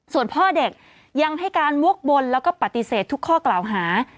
ส่วนพ่อเด็กยังให้การวกวนแล้วก็ปฏิเสธทุกข้อกล่าวหา